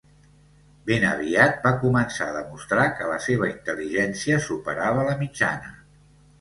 Ben aviat va començar a demostrar que la seva intel·ligència superava la mitjana.